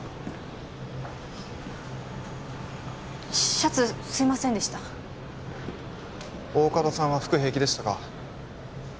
シャツすいませんでした大加戸さんは服平気でしたか？